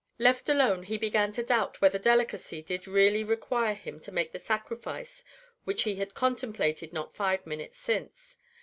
Left alone, he began to doubt whether delicacy did really require him to make the sacrifice which he had contemplated not five minutes since.